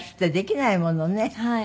はい。